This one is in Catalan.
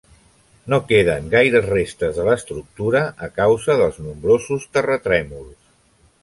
No queden gaires restes de l'estructura a causa dels nombrosos terratrèmols.